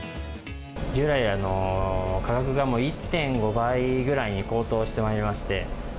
従来に比べて、価格がもう１．５倍くらいに高騰してまいりまして。